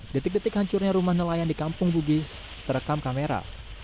detik detik hancurnya rumah nelayan di kampung bugis terekam kamera